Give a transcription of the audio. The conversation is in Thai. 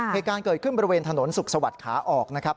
เหตุการณ์เกิดขึ้นบริเวณถนนสุขสวัสดิ์ขาออกนะครับ